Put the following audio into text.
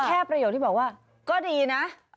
แค่ประโยชน์ที่บอกว่าก็ดีนะ